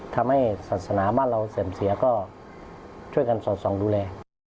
ทำให้ศาสนาบ้านเราเสื่อมเสียก็ช่วยกันสอดส่องดูแล